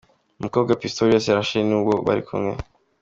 Umukobwa Pistorius yarashe ni uwo bari kumwe.